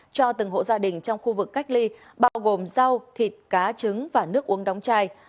cho từng hộ gia đình trong khu vực cách ly bao gồm rau thịt cá trứng và nước uống đóng chai